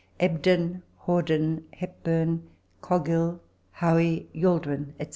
Ebden, Hawdon, Hepburn, Coghill, Howey, Yaldwin, &c.